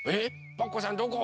パクこさんどこ？